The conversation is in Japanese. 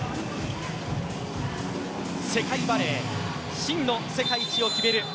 世界バレー真の世界一を決める